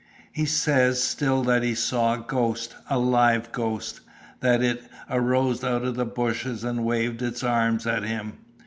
"He says still that he saw a ghost a live ghost. That it arose out of the bushes and waved its arms at him.